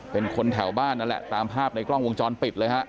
เป็นคนแถวบ้านนั่นแหละตามภาพในกล้องวงจรปิดเลยฮะ